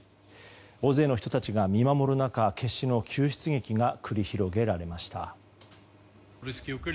大勢の人たちが見守る中決死の救出劇が繰り広げられました。